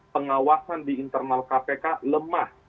pengawasan di internal kpk lemah